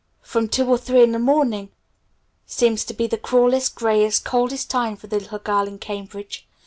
From two to three in the morning seems to be the cruelest, grayest, coldest time for the little girl in Cambridge....